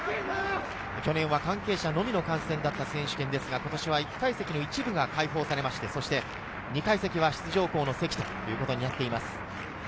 去年は関係者のみの観戦だった選手権ですが、今年は１階席の一部が解放され、２回戦は出場校の席となっています。